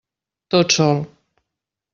Tot sol.